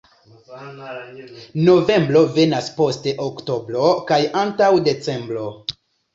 Novembro venas post oktobro kaj antaŭ decembro.